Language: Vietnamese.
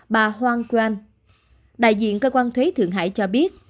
bà hoàng quang đại diện cơ quan thuế thượng hải cho biết